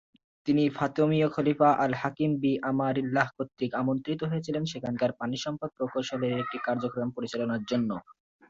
তিনি ফাতিমীয় খলিফা আল হাকিম বি-আমরিল্লাহ কর্তৃক আমন্ত্রিত হয়েছিলেন সেখানকার পানিসম্পদ প্রকৌশল এর একটি কার্যক্রম পরিচালনার জন্য।